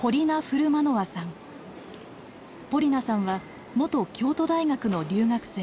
ポリナさんは元京都大学の留学生。